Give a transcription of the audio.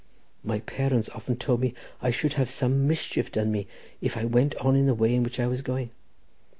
My parents often told me I should have some mischief done me if I went on in the way in which I was going.